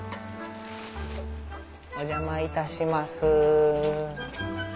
お邪魔いたします。